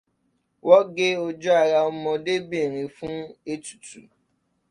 Wọ́n gé ojú ará ọmọdébìnrin fún ètùtù.